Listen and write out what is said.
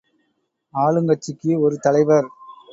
ஆளுங்கட்சிக்கு ஒரு தலைவர்.